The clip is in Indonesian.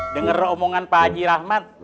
dengar romongan pak haji rahmat